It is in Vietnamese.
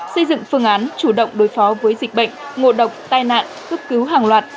xây dựng phương án chủ động đối phó với dịch bệnh ngộ độc tai nạn cấp cứu hàng loạt